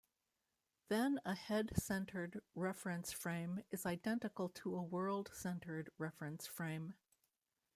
Then a head centered reference frame is identical to a world centered reference frame.